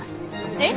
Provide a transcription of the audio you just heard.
えっ！？